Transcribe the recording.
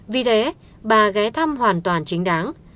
vì thế bà ghé thăm hoàn toàn chính đáng